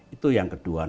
itu yang kedua